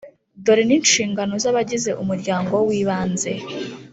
dore n’inshingano z’abagize umuryango w’ibanze;